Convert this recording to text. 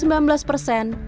jampung sembilan belas persen